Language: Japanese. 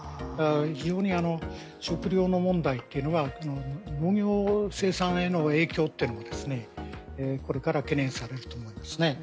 非常に食料の問題というのは農業生産への影響というのは、これから懸念されると思うんですね。